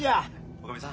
おかみさん